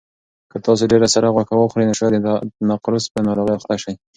که تاسو ډېره سره غوښه وخورئ نو شاید د نقرس په ناروغۍ اخته شئ.